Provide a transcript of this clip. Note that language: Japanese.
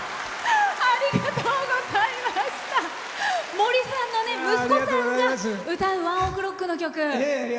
森さんの息子さんが歌うＯＮＥＯＫＲＯＣＫの曲。